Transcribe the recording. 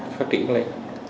phát triển lên